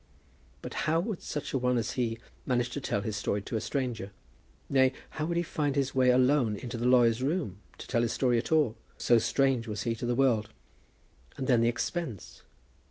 But how would such a one as he manage to tell his story to a stranger? Nay, how would he find his way alone into the lawyer's room, to tell his story at all, so strange was he to the world? And then the expense!